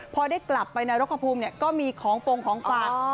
พอได้กลับไปนรกภูมิก็มีของฟงของฝาก